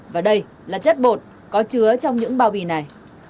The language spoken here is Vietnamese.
và đây là chất bột có chứa trong những bao bì này